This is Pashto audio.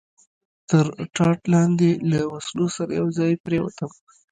تر ټاټ لاندې له وسلو سره یو ځای پرېوتم.